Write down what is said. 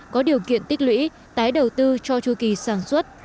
có điều kiện tích lũy tái đầu tư cho chu kỳ sản xuất